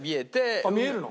あっ見えるの？